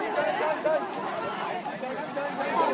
ไปไปไป